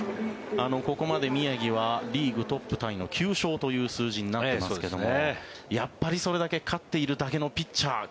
ここまで宮城はリーグトップタイの９勝という数字になってますけどもやっぱりそれだけ勝っているだけのピッチャー